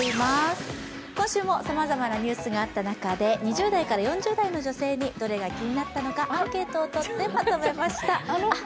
今週もさまざまなニュースがあった中で、２０代から４０代の女性に何が気になったのかアンケートを取ってまとめました。